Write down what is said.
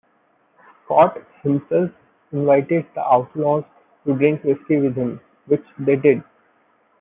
Scott himself invited the outlaws to drink whisky with him, which they did.